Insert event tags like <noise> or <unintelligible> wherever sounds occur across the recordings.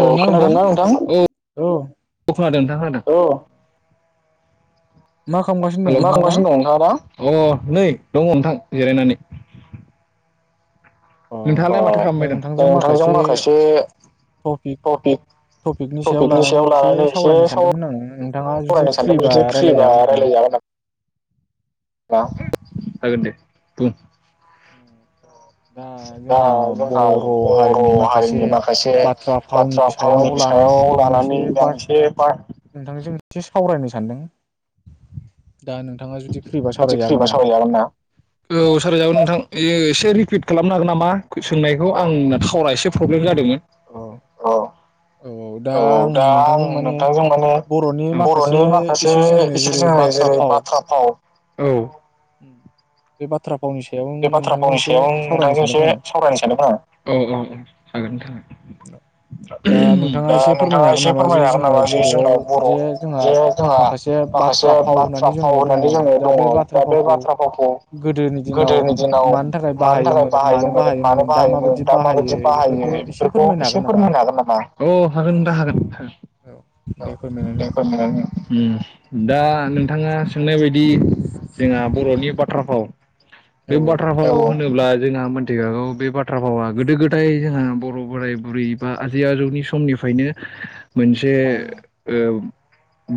औ खोनादोंना नोंथां? खोनादों नोंथां खोनादों। औ हेल' मा होनगासिनो दं नोंथाङा आदा अ नै दङ नोंथां। जिरायनानै नोंथाङालाय माथो खालामबाय दं नोंथांजों माखासे टपिकनि सायाव लानानै एसे स फरायनो सानदों बिदिनो फ्रिबा रायलायजागोन दे। बुं दा जोंहा बर' हारिनि माखासे बाथ्रा फावनि सायाव लानानै दा एसे एसे सावरायनो सानदों। फ्रिबा सावरायजागोन ना औ सावरायजागोन नोंथां। रिपिट खालामनो हागोन नामा? मा सोंनायखौ आं <unintelligible> टावरा एसे प्रब्लेम जादोंमोन अ औ औ दा आं नोंथांजों माने बर'नि माखासे <unintelligible> औ औ बे बाथ्रा फावनि सायाव नोंथांजों एसे सावरायनो सानदोंमोन आं औ औ औ हागोन नोंथां हागोन दा नोंथाङा एसे फोरमायनो हागोन नामा जे जोंनाव बर'आव जे जोंहा माखासे बाथ्रा फाव होननानै जोङो दङ दा बे बाथ्रा फावखौ गोदोनि दिनाव मानि थाखाय बाहायोमोन मानो बाहायोमोन दा माबायदि बाहायो बेफोरखौ एसे एसे फोरमायनो हागोन नामा अ हागोन नोंथा हागोन <unintelligible> दा नोंथाङा सोंनाय बायदि जोंहा बर'नि बाथ्राफाव बे बाथ्राफाव होनोब्ला जोंहा मोनथिखागौ बे बाथ्रा फावा गोदो गोदाय जोंहा बर' बोराय बुरै बा आजै आजौनि समनिफ्रायनो मोनसे ओ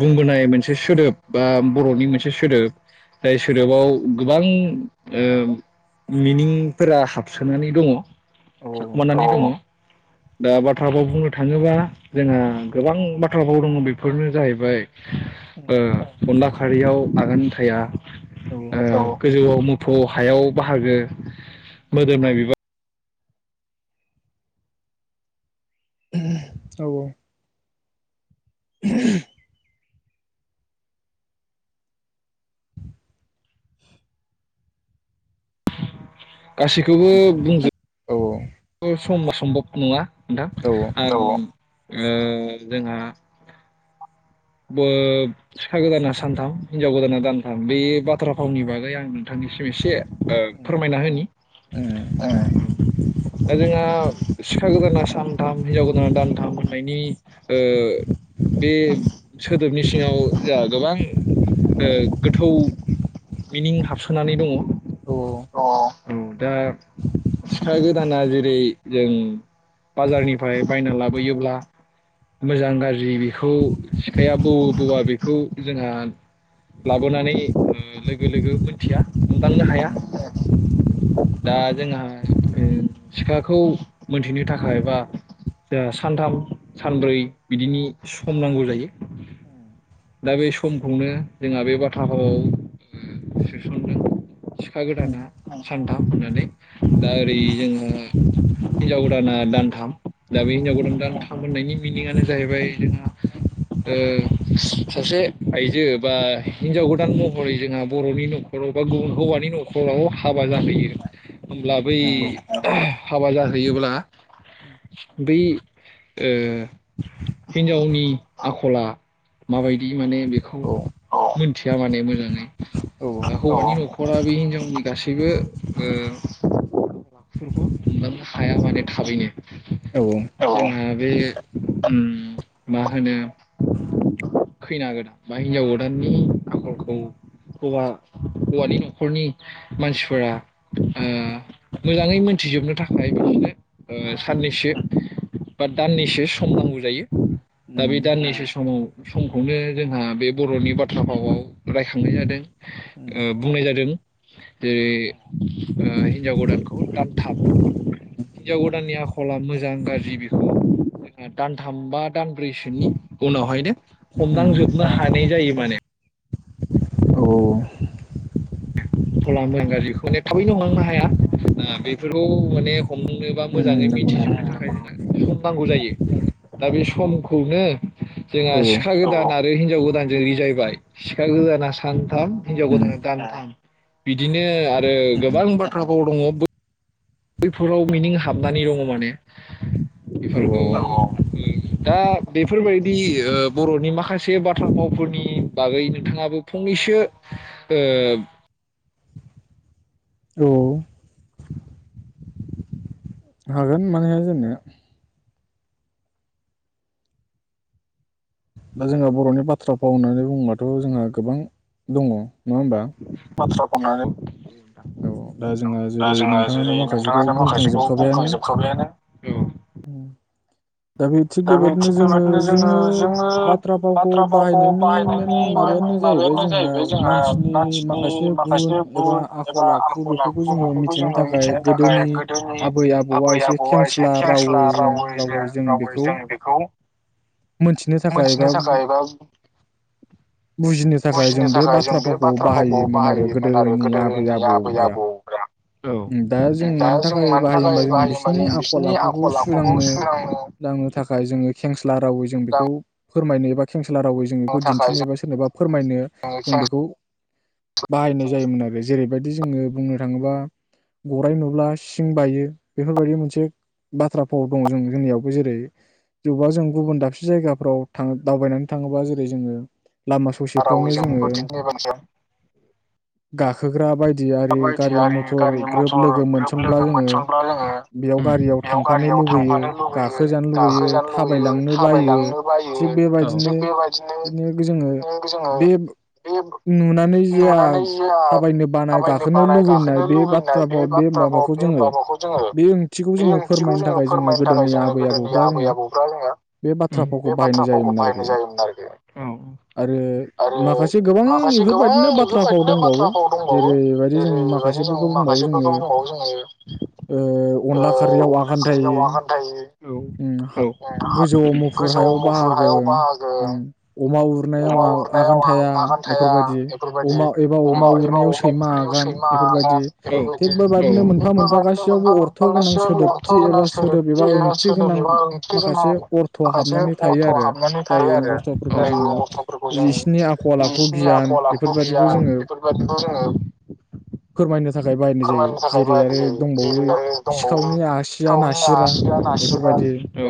बुंबोनाय मोनसे सोदोब बा बर'नि मोनसे सोदोब जाय सोदोबाव गोबां ओ मिनिंफोरा हाबसोनानै दङ थाखोमानानै दङ दा बाथ्राफ्राव बुंनो थाङोबा जोंहा गोबां बाथ्राफाव दङ बेफोरनो जाहैबाय <unintelligible> ओ अनला खा खारियाव आगान थाया ओ गोजौआव मोफौ हायाव बाहागो मोदोमनाय बिबार औ औ <unintelligible> गासैखौबो बुंजोब समआ सम्भब नङा नोंथां औ ओ जोंहा बो सिखा गोदाना सानथाम हिनजाव गोदाना दानथाम बे बाथ्रा फावनि बागै आं नोंथांनिसिम एसे ओ फोरमायना होनि दा जोंहा सिखा गोदाना सानथाम हिनजाव गोदाना दानथाम होननायनि ओ बे सोदोबनि सिङाव जा गोबां ओ गोथौ मिनिं हाबसोनानै दङ। अ औ दा सिखा गोदाना जेरै जों बाजारनिफ्राय बायना लाबोयोब्ला मोजां गाज्रि बेखौ सिखाया बौवो बौवा बेखौ जोंहा लाबोनानै लोगो लोगो मोनथिया मोनदांनो हाया दा जोंहा ओ सिखाखौ मोनथिनो थाखाय बा जोंहा ओ सानथाम सानब्रै बिदिनि सम नांगौ जायो। दा बे समखौनो जोंहा बे बाथ्रा फावाव ओ सोसनदों। सिखा गोदाना सानथाम होननानै दा ओरै जोंङो हिनजाव गोदाना दानथाम दा बे हिनजाव गोदान दानथाम होननायनि मिनिङानो जाहैबाय जोंहा सासे आइजो बा हिनजाव गोदान महरै जोंहा बर'नि नखराव बा गुबुन हौवानि नखराव हाबा जाहैयो। होनब्ला बै हाबा जाहैयोब्ला बै ओ हिनजावनि आखला माबायदि माने बेखौ मोनथिया माने मोजाङै हौवानि नखरा बि हिनजावनि आंनि गासैबो ओ आखुफोरखौ हमलांनो हाया माने थाबैनो। औ उम बेयो उम मा होनो खैना गोदान बा हिनजाव गोदाननि आखलखौ हौवा हौवानि नखरनि मानसिफोरा ओ मोजाङै मोनथिजोबनो थाखाय बिदिनो ओ साननैसो बा दाननैसो सम नांगौ। जायो दा बे दाननसे समाव समखौनो जोंहा बे बर'नि बाथ्रा फावाव रायखांनाय जादों ओ बुंनाय जादों। जेरै हिनजाव गोदानखौ दानथाब हिनजाव गोदाननि आखला मोजां गाज्रि बेखौ जों दान थाम बा दानब्रैसोनि उनावहायनो। हमदांजोबनो हानाय जायो। माने औ खला मोजां गाज्रिखौ माने थाबैनो नंलांनो हाया बेफोरखौ माने हमनो बा मोजाङै मिथिजोबनो थाखाय जोंनो सम नांगौ जायो दा बे समखौनो जोंहा सिखा गोदान आरो हिनजाव गोदानजों रिजायबाय सिखा गोदाना सानथाम हिनजाव गोदाना दानथाम। बिदिनो आरो गोबां बाथ्राफोराव दङ। बैफोराव मिनिं हाबनानै दङ माने बेफोरखौ दा बेफोरबायदि ओ बर'नि माखासे बाथ्रा फावफोरनि बागै नोंथाङाबो फंनैसो ओ औ हागोन मानो हाया जानो। दा जोंहा बर'नि बाथ्रा फाव होननानै बुङोबाथ जोंहा गोबां दङ। नङा होमबा? बाथ्रा <unintelligible> औ दा जोंहा जेरै नोंथाङानो माखासेखौ बुंखांजोबखाबायानो। दा बे थिग बेबायादिनो जोङो जोङो बाथ्रा फावखौ बाहायनायनि मेन माबायानो जाहैबाय जोंहा मानसिनि माखासे गुन एबा आख आखल आखु बेफोरखौ जोङो मिथिनो थाखाय गोदोनि आबै आबौआ एसे खेंस्ला रावै जों रावै जों बेखौ जों बेखौ मोनथिनो थाखाय बा बुजिनो थाखाय जों बे बाथ्रा फावखौ बाहायोमोन आरो गोदोनि आ आबै आबौफ्रा दा जों मानि थाखाय बाहायोबा जों बिसोरनि आखल आखुखौ सुलांनो थाखाय जोङो खेंसा रावै जों बेखौ फोरमायनो एबा खेंसालिया रावै जों बेखौ दिन्थिनो एबा सोरनोबा फोरमायनो जों बेखौ बाहायनाय जायोमोन आरो। आरो जेरैबायदि जोङो बुंनो थाङोब्ला गराय नुब्ला सिं बायो बेफोरबायदि मोनसे बाथ्रा फाव दङ जों जोंनियावबो जेरै जेवबा जों गुबुन दाबसे जायगाफ्राव दावबायनानै थाङोबा जेरै जोङो लामा ससेफ्रावनो जोङो। गाखोग्रा बायदि गारि मथर गारि मथर ग्रोब लोगो मोनसनब्ला जोङो बेयाव गारियाव थांफानो लुुबैयो गाखोजानो लुुबैयो थाबायलांनो बायो थिग बेबायदिनो बिनो जोङो बे नुनानै जे थाबायनो बानाय गाखोनो लुबैनाय बे बाथ्रा भाव बे माबाखौ जोङो बे ओंथिखौ जोङो फोरमायनो थाखाय जोङो गोदोनि आबै आबौफ्रा जोङो बे बाथ्रा फावखौ बाहायनाय जायोमोन आरोखि आरो माखासे गोबां बेफोरबायाददिनो बाथ्रा भाव दंबावो बेबायदि जों माखासे माखासेफोरखौ दंबावो जोङो अनला खारैयाव आगान थायो गोजौ मुफुर हायाव बाहागो अमा उरनायाव आगान थाया बेफोरबायदि अमा एबा अमा उरनायाव सैमा आसान थिग बेबायादिनो मोनफा मोनफा गासैयावबो अर्थ' गोनां सोदोबथि एबा सोदोब एबा ओंथि गोनां माखासे अर्थ' हाबनानै थायो आरो जाय अर्थ'फोरखौ जोङो बिसिनि आखल आ आखु गियान बेफोर बायदिखौ जोङो फोरमायनो थाखाय बायनाय जायो जेरै आरो दंबावो सिखावनि आसिया नासिरा बेफोरबायदि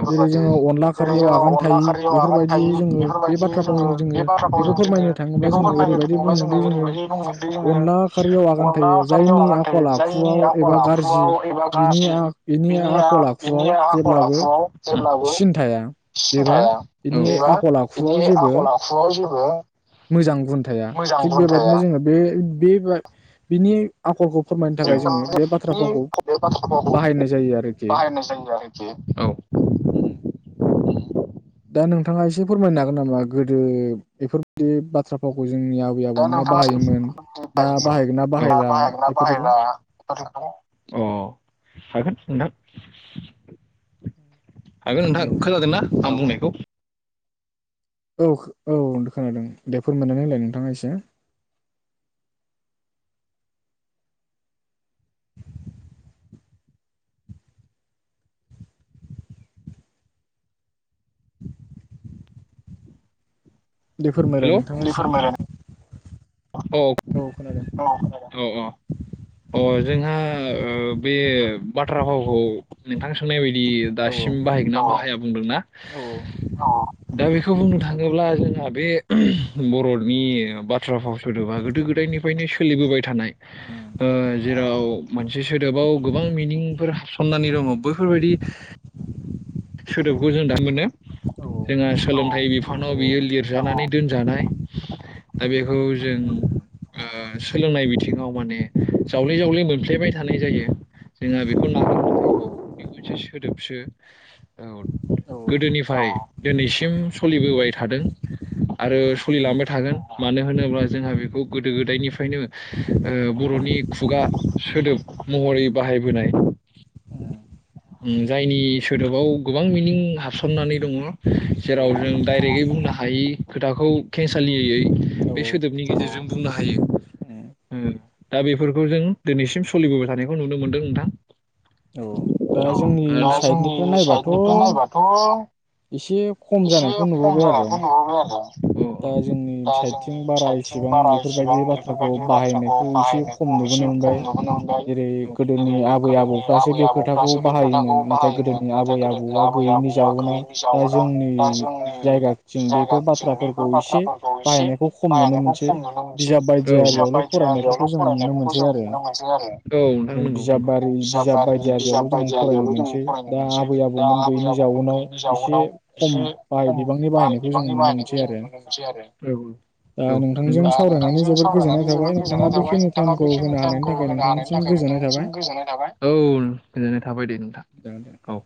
जेरै जोङो अनला खारैयाव आगान थाय बेफोरबायदि जोङो बे बाथ्रा फाव जे जोङो बेखौ फोरमायनो थाङोबा जोङो ओरैबायदि बुङोदि जोङो अनला खारियाव आगान थायि जायनि आखल आखुआव एबा गाज्रि बिनि बिनि आखल आखुआव जेब्लाबो सिन थाया एबा बेनि आखल आखुआव जेबो मोजां गुन थाया थिग बेबायदिनो जोङो बे बेबा बिनि आखलखौ <unintelligible> नोंथाङा एसे फोरमायनो हागोन नामा गोदो बेफोरबायदि बाथ्रा फावखौ जोंनि आबै आबौमोना बाहायोमोन दा बाहायगोन ना बाहायला बाहायला दाथ' बेखौ औ हागोन। नोंथां। आ नोंथाङा खोनथादोंना आं बुंनाय खौ। औ औ खोनादों दे फोरमायनानै होनोलाय नोंथाङा एसे दे फोरमायलय नोंथाङा एसे औ औ औ अ जोंहा ओ बे बाथ्रा भावखौ नोंथां <unintelligible> दि दासिम बाहायगोन ना बाहाया बुंदोंना दा बेखौ बुंनो थाङोब्ला जोंहा बे <unintelligible> बर'नि बाथ्रा भाव सोदोबा गोदो गोदायनिफ्रायनो सोलिबोबाय थानाय ओ जेराव मोनसे सोदोबाव गोबां मिनिंफोर हाबस सननानै दङ। बैफोरबायदि सोदोबखौ जों दा मोनो जोंहा सोलोंथाइ बिफानाव बियो लिरजानानै दोनजानाय दा बेखौ जों ओ सोलोंनाय बिथिङाव माने जावले जावले मोनफ्लेबाय थानाय जायो जोंहा बेखौ <inaudible> औ औ से सोदोबसो औ गोदोनिफ्राय दोनैसिम सलिबोबाय थादों आरो सलिलांबाय थागोन मानो होनोब्ला जोंहा बेखौ गोदो गोदायनिफ्रायनो ओ बर'नि खुगा सोदोब महरै बाहायबोनाय उम जायनि सोदोबाव गोबां मिनिं हाबसननानै दङ जेराव जों डाइरेगै बुंना हायि खोथाखौ केन्सालियै बे सोदोबनि गेजेरजों बुंनो हायो उम दा बेफोरखौ जों दिनैसिम सलिबोबाय थानायखौ नुनो मोनदों नोंथां। औ दा जोंनि सा जोंनि साइडनिफ्राय नायबाथ' एसे खम जानायखौ नुहुरो आरो। दा जोंनि साइडथिं बारा इसिबां बेफोरबायदि बाथ्राखौ बाहायनायखौ एसे खम नुबोनो मोनबाय जेरै गोदोनि आबै आबौफ्रासो बे खोथाखौ बाहायोमोन नाथ थाय गोदोनि आबै आबौआ गैयैनि जाउनाव दा जोंनि जायगाथिं बेखौ बाथ्रा बे बाथ्राफोरखौ एसे बाहायनायखौ खम नुनो मोनसै औ बिजाब बायदि आरियावल' फरायनायफोरखौ जों नुनो मोनसै आरो औ नोंथां नंगौ नंगौ बिजाब बारि बिजाब बायदि आरियावल' जों दा आबै आबौमोन गैयैनि जाउनाव एसे खम बाय बिबांनि बाहायनायखौ जों नुनो मोनस जों नुनो मोनसै आर औ औ औ होनब्ला नोंथांजों सावरायनानै जोबोर गोजोननाय थाबाय नोंथाङा बेखिनि थायेमखौ होनो हानायनि थाखाय नोंथांसिम गोजोननाय थाबाय औ गोजोननाय थाबाय दे नोंथां। औ